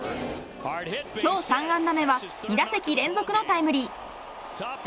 今日３安打目は２打席連続のタイムリー。